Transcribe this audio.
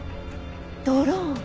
ドローン！